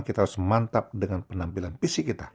kita harus mantap dengan penampilan fisik kita